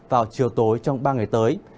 vào chiều tối trong ba ngày tới